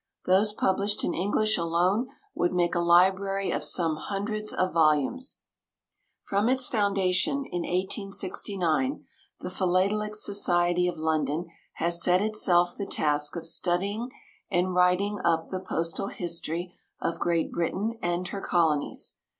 Those published in English alone would make a library of some hundreds of volumes. From its foundation, in 1869, the Philatelic Society of London has set itself the task of studying and writing up the postal history of Great Britain and her Colonies.